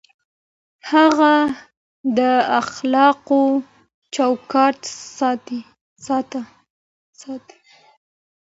هغه د اخلاقو چوکاټ ساته.